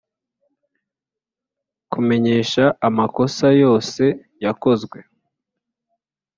Kumenyesha amakosa yose yakozwe